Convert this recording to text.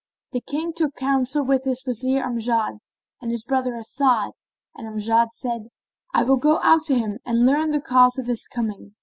The King took counsel with his Wazir Amjad and his brother As'ad; and Amjad said, "I will go out to him and learn the cause of his coming."